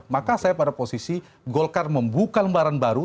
maka saya pada posisi golkar membuka lembaran baru